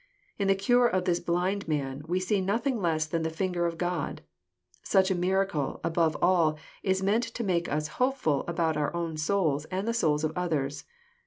In the cure of this blind man we see nothing less than the finger of God. Such a miracle, above all, is meant to make us hopeful about our own souls and the souls of others.